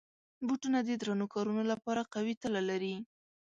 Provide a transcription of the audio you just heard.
بوټونه د درنو کارونو لپاره قوي تله لري.